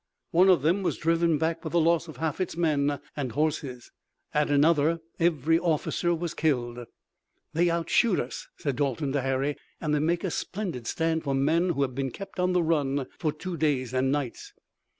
One of them was driven back with the loss of half its men and horses. At another every officer was killed. "They outshoot us," said Dalton to Harry, "and they make a splendid stand for men who have been kept on the run for two days and nights."